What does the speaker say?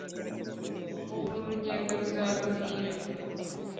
Ubu uru rugendo ruzaduhira